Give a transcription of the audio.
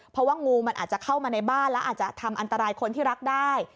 เพราะว่างูมันอาจจะเข้ามาในบ้านแล้วอาจจะทำอันตรายคนที่รักได้